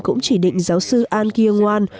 cũng chỉ định giáo sư an kiêng wan